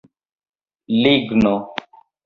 Ligno